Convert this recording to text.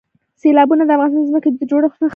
سیلابونه د افغانستان د ځمکې د جوړښت نښه ده.